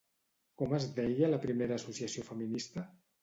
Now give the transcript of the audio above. Com es deia la primera associació feminista?